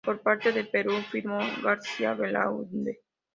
Por parte del Perú firmó García Belaúnde.